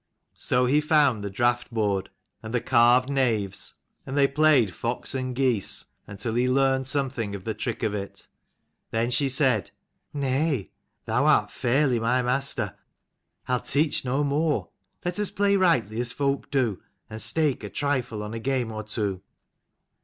So he found the draught board and the carved knaves, and they played fox and geese until he learned something of the trick of it. Then she said, " Nay, thou art fairly my master. I'll teach no more. Let us play rightly as folk do, and stake a trifle on a game or two."